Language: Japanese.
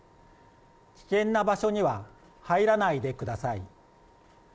危険な場所には入らないでください。